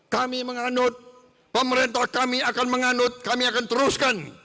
kami menganut pemerintah kami akan menganut kami akan teruskan